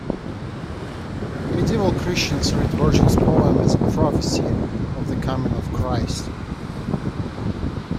Medieval Christians read Virgil's poem as a prophecy of the coming of Christ.